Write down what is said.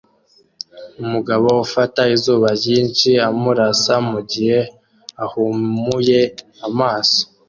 Umugabo ufata izuba ryinshi amurasa mugihe ahumuye amaso